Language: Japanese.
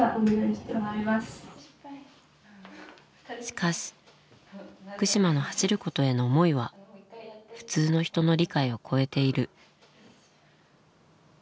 しかし福島の走ることへの思いは普通の人の理解を超えている。